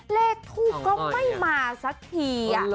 เลขทูปก็ไม่มาสักที